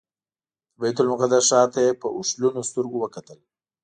د بیت المقدس ښار ته یې په اوښلنو سترګو وکتل.